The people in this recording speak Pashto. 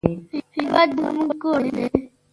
هېواد زموږ کور دی